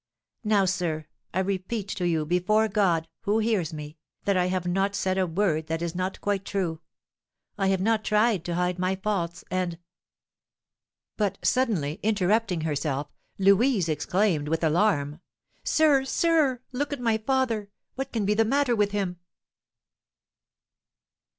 Now, sir, I repeat to you before God, who hears me, that I have not said a word that is not quite true; I have not tried to hide my faults, and " But, suddenly interrupting herself, Louise exclaimed with alarm: "Sir, sir, look at my father! what can be the matter with him?"